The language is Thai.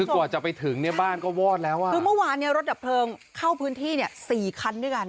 กว่าจะไปถึงเนี่ยบ้านก็วอดแล้วอ่ะคือเมื่อวานเนี่ยรถดับเพลิงเข้าพื้นที่เนี่ย๔คันด้วยกัน